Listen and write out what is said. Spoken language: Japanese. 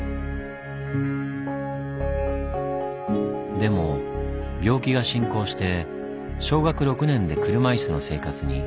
でも病気が進行して小学６年で車いすの生活に。